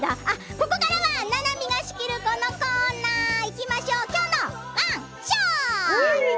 ここからは、ななみが仕切るこのコーナー「きょうのワンショット」。